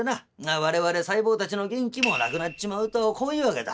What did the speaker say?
我々細胞たちの元気もなくなっちまうとこういうわけだ」。